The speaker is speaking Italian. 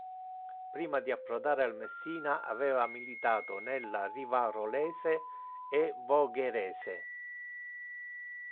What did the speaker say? Prima di approdare al Messina, aveva militato nella Rivarolese e Vogherese.